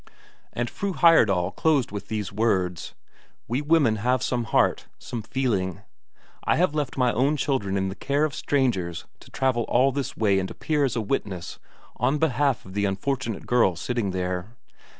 And Fru Heyerdahl closed with these words: "We women have some heart, some feeling. I have left my own children in the care of strangers to travel all this way and appear as a witness on behalf of the unfortunate girl sitting there.